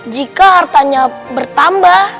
jika hartanya bertambah